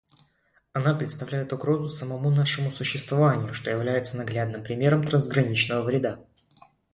Она представляет угрозу самому нашему существованию, что является наглядным примером трансграничного вреда.